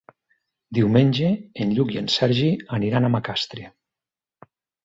Diumenge en Lluc i en Sergi aniran a Macastre.